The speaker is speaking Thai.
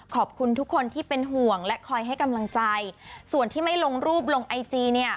ขอบคุณทุกคนที่เป็นห่วงและคอยให้กำลังใจส่วนที่ไม่ลงรูปลงไอจีเนี่ย